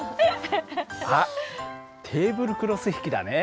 あっテーブルクロス引きだね。